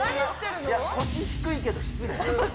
腰低いけど失礼。